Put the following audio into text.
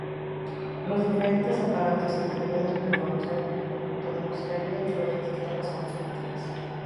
Los diferentes aparatos que se pueden reconocer en el conjunto demostrarían diversas etapas constructivas.